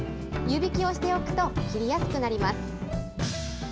湯びきをしておくと切りやすくなります。